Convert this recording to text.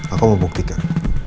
aku mau buktikan